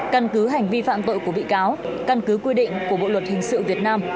căn cứ hành vi phạm tội của bị cáo căn cứ quy định của bộ luật hình sự việt nam